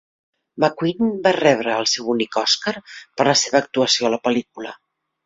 McQueen va rebre el seu únic Oscar per la seva actuació a la pel·lícula.